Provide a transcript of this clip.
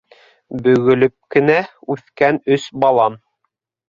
Бөгөлөп кенә үҫкән өс балан